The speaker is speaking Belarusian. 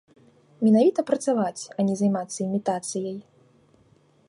Менавіта працаваць, а не займацца імітацыяй.